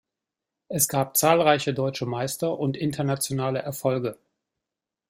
Es gab zahlreiche Deutsche Meister und internationale Erfolge.